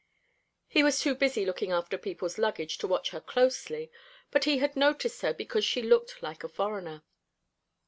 He was too busy looking after people's luggage to watch her closely, but he had noticed her because she looked like a foreigner.